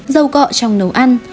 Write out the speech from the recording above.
dầu cọ trong nấu ăn